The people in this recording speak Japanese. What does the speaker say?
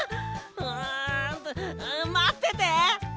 うんとまってて！